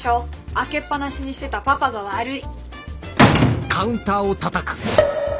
開けっ放しにしてたパパが悪い！